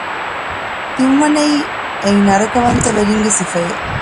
ތިންވަނައީ އެއީ ނަރަކަވަންތަވެރިންގެ ސިފައެއް